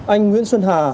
anh nguyễn xuân hà